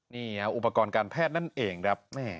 นี่อุปกรณ์การแพทย์นั่นเองนะ